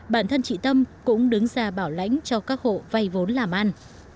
bản thân chị tâm cũng đứng ra bảo lãnh cho các hộ vay vốn làm ăn